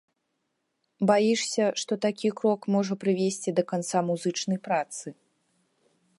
Баішся, што такі крок можа прывесці да канца музычнай працы?